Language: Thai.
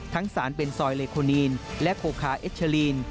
ทั้งสารเบนซอยเลโคนีนและโคคาเอชาลีน